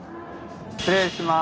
失礼します。